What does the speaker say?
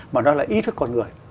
mà nó là ý thức con người